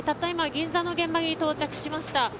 今銀座の現場に到着しました。